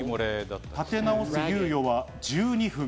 立て直す猶予は１２分。